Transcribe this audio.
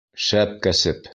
Шәп кәсеп!